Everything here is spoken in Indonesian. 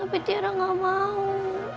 tapi tiara ga mau